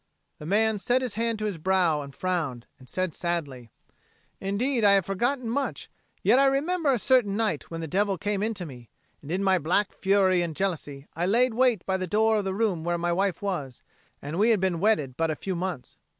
The man set his hand to his brow and frowned, and said sadly, "Indeed I have forgotten much, yet I remember a certain night when the Devil came into me, and in black fury and jealousy I laid wait by the door of the room where my wife was; and we had been wedded but a few months.